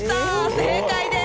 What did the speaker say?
正解です！